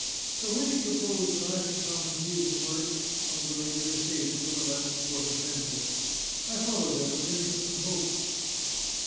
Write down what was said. So, when he proposed that I should come and see his work (one of the regular stages of a Latin Quarter friendship), I followed him with interest and hope.